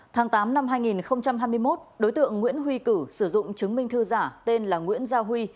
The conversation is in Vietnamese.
tháng tám năm hai nghìn hai mươi một đối tượng nguyễn huy cử sử dụng chứng minh thư giả tên là nguyễn gia huy